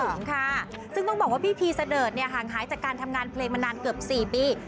สูงค่ะซึ่งต้องบอกว่าพี่พีเสดิร์ดเนี่ยห่างหายจากการทำงานเพลงมานานเกือบ๔ปี